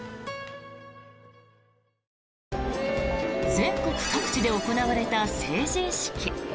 全国各地で行われた成人式。